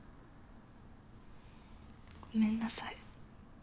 ごめんなさい。